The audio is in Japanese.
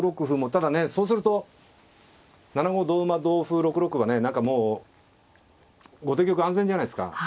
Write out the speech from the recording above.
ただねそうすると７五同馬同歩６六歩はね何かもう後手玉安全じゃないですか。